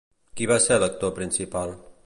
Qui va ser l'actor principal?